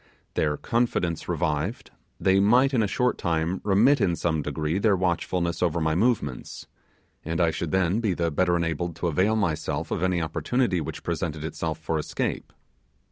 Their confidence revived, they might in a short time remit in some degree their watchfulness over my movements, and I should then be the better enabled to avail myself of any opportunity which presented itself for escape.